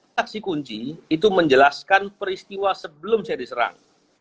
saksi kunci itu menjelaskan peristiwa sebelum saya diserang